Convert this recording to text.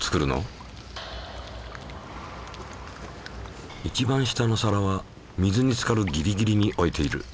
いちばん下の皿は水につかるギリギリに置いている。